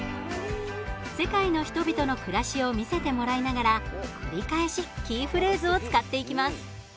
世界の人々の暮らしを見せてもらいながら繰り返しキーフレーズを使っていきます。